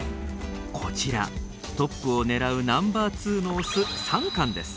こちらトップを狙うナンバー２のオスサンカンです。